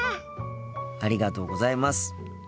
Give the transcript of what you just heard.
ありがとうございます。